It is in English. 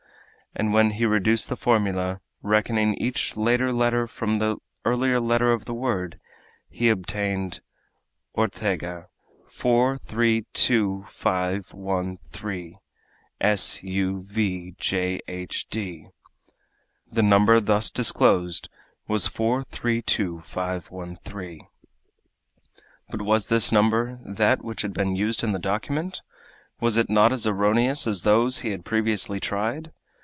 And when he reduced the formula, reckoning each later letter from the earlier letter of the word, he obtained. O r t e g a 4 3 2 5 1 3 S u v j h d The number thus disclosed was 432513. But was this number that which had been used in the document? Was it not as erroneous as those he had previously tried?